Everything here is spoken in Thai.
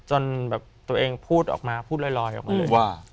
จนแบบตัวเองพูดออกมาพูดลอยออกมาเลยว่า